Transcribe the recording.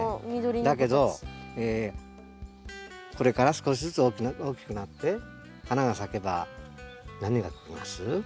だけどこれから少しずつ大きくなって花が咲けば何が来ます？